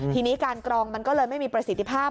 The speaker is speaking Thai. ทีนี้การกรองมันก็เลยไม่มีประสิทธิภาพ